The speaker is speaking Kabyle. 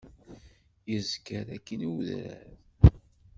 Izger akkin i udrar.